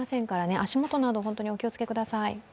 足元など本当にお気を付けください。